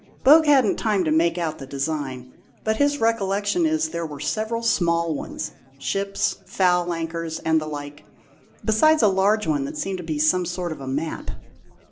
Bogue hadn't time to make out the design, but his recollection is there were several small ones ships, foul anchors, and the like besides a large one that seemed to be some sort of a map."